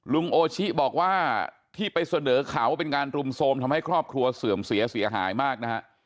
โอชิบอกว่าที่ไปเสนอเขาเป็นการรุมโทรมทำให้ครอบครัวเสื่อมเสียเสียหายมากนะฮะ